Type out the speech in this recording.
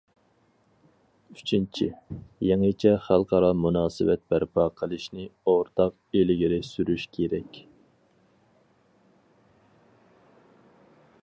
ئۈچىنچى، يېڭىچە خەلقئارا مۇناسىۋەت بەرپا قىلىشنى ئورتاق ئىلگىرى سۈرۈش كېرەك.